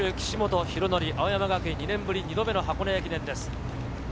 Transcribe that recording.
岸本大紀、青山学院２年ぶり２度目の箱根駅伝です。